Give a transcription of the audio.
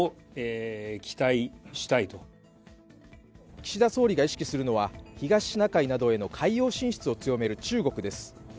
岸田総理が意識するのは東シナ海などへの海洋進出を強める中国です。